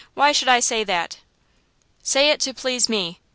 Why should I say that?" "Say it to please me!